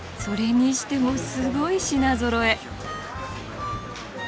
それにしてもすごい品ぞろえ。